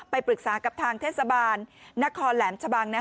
ปรึกษากับทางเทศบาลนครแหลมชะบัง